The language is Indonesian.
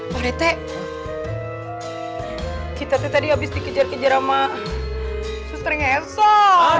pak concrete kita tadi abis dikejar kejar sama suster s angie esok